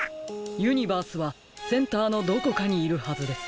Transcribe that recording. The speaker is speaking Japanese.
ユニバースはセンターのどこかにいるはずです。